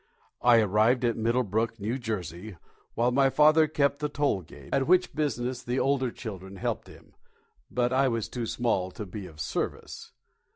I arrived at Middlebrook, New Jersey, while my father kept the toll gate, at which business the older children helped him, but I was too small to be of service.